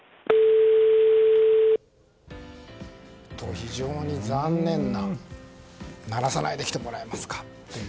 非常に残念な、鳴らさないで来てもらえますかという。